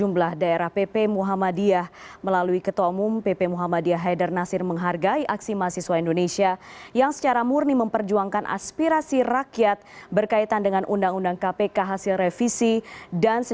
bersama bapak bapak sekalian